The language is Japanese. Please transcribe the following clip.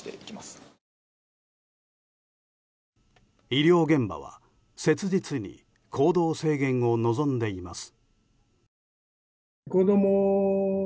医療現場は切実に行動制限を望んでいます。